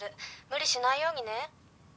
無理しないようにね。